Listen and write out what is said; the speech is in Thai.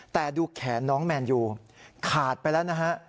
แต่ดูแขนน้องแมนยูขาดไปแล้วนะฮะ